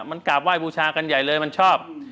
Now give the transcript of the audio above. มันกราบไห้บูชากันใหญ่เลยมันชอบ